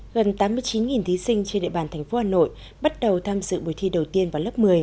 gần tám mươi chín thí sinh trên địa bàn thành phố hà nội bắt đầu tham dự buổi thi đầu tiên vào lớp một mươi